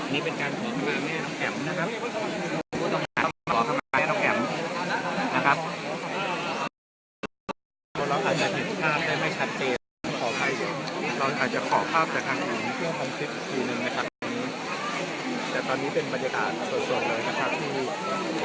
นี่เป็นการขอคำมาแม่น้องแอ๋มนะครับผู้ต้องหาขอคำมาแม่น้องแอ๋มนะครับ